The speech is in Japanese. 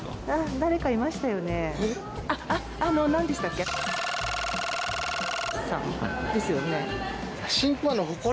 誰かいましたよねですよね